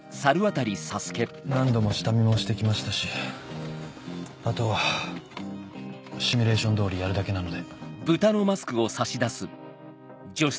何度も下見もして来ましたしあとはシミュレーション通りやるだけなので。